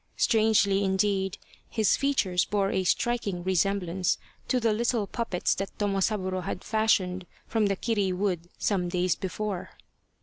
Strangely, indeed, his features bore a striking resemblance to the little puppets that Tomosaburo had fashioned from the kiri wood some days before.